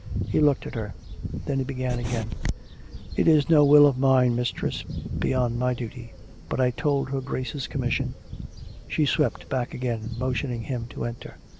... He looked at her. ... Then he began again: " It is no will of mine, mistress, beyond my duty. But I hold her Grace's commission " She swept back again, motioning him to enter.